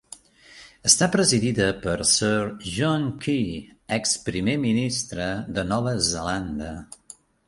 Està presidida per Sir John Key, ex Primer Ministre de Nova Zelanda.